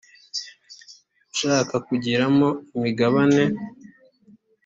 ushaka kugiramo imigabane